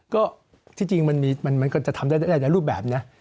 ก็ที่จริงมันมีมันก็จะทำได้ได้แต่รูปแบบนี้